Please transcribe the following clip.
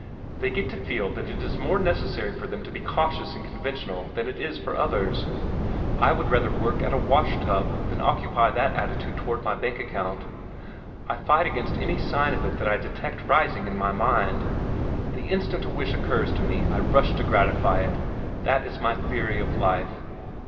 They get to feel that it is more necessary for them to be cautious and conventional than it is for others. I would rather work at a wash tub than occupy that attitude toward my bank account. I fight against any sign of it that I detect rising in my mind. The instant a wish occurs to me, I rush to gratify it. That is my theory of life.